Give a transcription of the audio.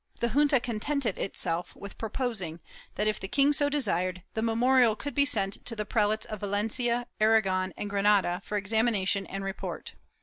The junta contented itself with proposing that, if the king so desired, the memorial could be sent to the prelates of Valencia, Aragon and Granada, for examina tion and report.